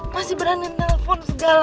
masih berani nelfon segala